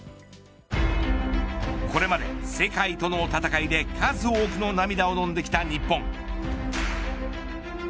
これまで、世界との戦いで数多くの涙をのんできた日本。